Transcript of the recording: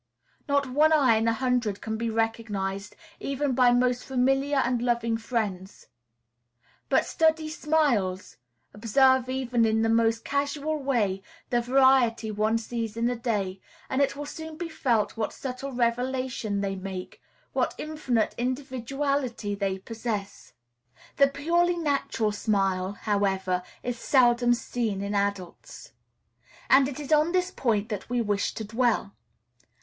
Not one eye in a hundred can be recognized, even by most familiar and loving friends. But study smiles; observe, even in the most casual way, the variety one sees in a day, and it will soon be felt what subtle revelation they make, what infinite individuality they possess. The purely natural smile, however, is seldom seen in adults; and it is on this point that we wish to dwell.